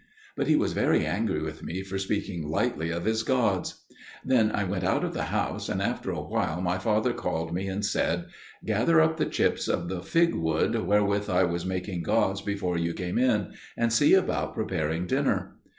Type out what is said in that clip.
But he was very angry with me for speaking lightly of his gods. Then I went out of the house, and after a while my father called me and said, "Gather up the chips of the fig wood wherewith I was making gods before you came in, and see about preparing dinner."